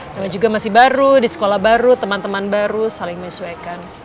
namanya juga masih baru di sekolah baru teman teman baru saling menyesuaikan